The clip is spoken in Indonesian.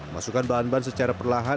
masukkan bahan bahan secara perlahan